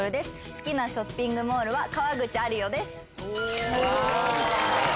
好きなショッピングモールは川口アリオです。